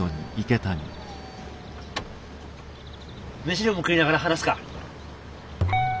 飯でも食いながら話すか。